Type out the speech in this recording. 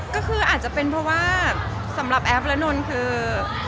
ก็คืออาจจะเป็นเพราะว่าสำหรับแอฟและนนท์คือ